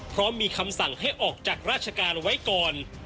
เพราะมีคำสั่งให้ออกจากราชการไว้ก่อน